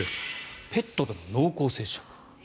ペットとの濃厚接触。